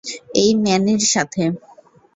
এই ম্যানির সাথে।